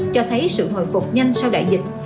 cho thấy sự hồi phục nhanh sau đại dịch